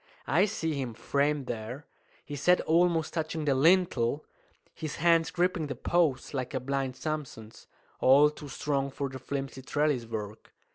I see him framed there, his head almost touching the lintel, his hands gripping the posts like a blind Samson's, all too strong for the flimsy trelliswork.